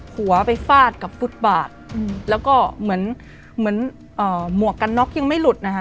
หัวไปฟาดกับฟุตบากแล้วก็เหมือนหมวกกันน็อกยังไม่หลุด